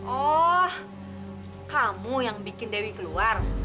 oh kamu yang bikin dewi keluar